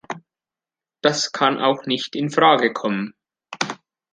Das kann auch nicht in Frage kommen.